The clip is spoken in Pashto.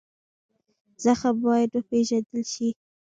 زخم باید وپېژندل شي.